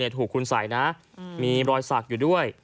ทักว่าเธอถูกคุณศัยนะมีรอยศักดิ์อยู่ด้วย